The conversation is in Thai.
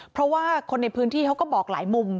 เพราะว่าคนในพื้นที่เขาก็บอกหลายมุม